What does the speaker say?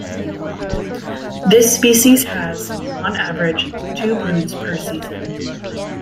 This species has, on average, two broods per season.